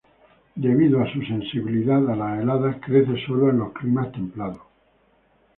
Debido a su sensibilidad a las heladas crece sólo en los climas templados.